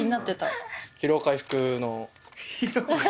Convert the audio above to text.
疲労回復の。